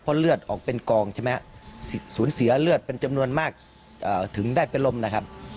เพราะเลือดออกเป็นกองใช่ไหมครับสูญเสียเลือดเป็นจำนวนมากถึงได้เป็นลมนะครับ